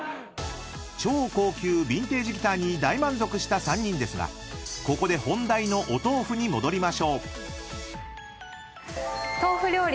［超高級ビンテージギターに大満足した３人ですがここで本題のお豆腐に戻りましょう］